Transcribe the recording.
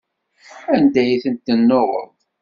Anda ay ten-tennuɣeḍ?